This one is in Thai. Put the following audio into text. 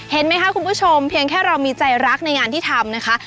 เห็นไหมคะคุณผู้ชมเพียงแค่เรามีใจรักในงานที่ทำนะคะ